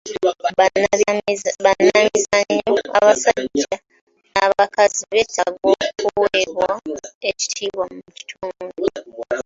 Bannamizannyo abasajja n'abakazi beetaaga okuweebwa ekitiibwa mu kitundu.